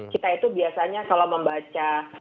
kita itu biasanya kalau membaca